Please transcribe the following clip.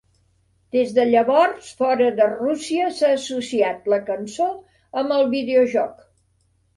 Des de llavors, fora de Rússia s'ha associat la cançó amb el videojoc.